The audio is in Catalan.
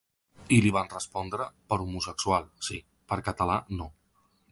I li van respondre: ‘Per homosexual, sí; per català, no’.